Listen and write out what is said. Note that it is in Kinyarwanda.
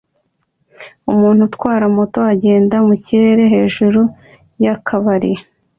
Umuntu utwara moto agenda mu kirere hejuru y'akabari